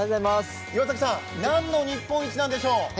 岩崎さん、何の日本一なんでしょう？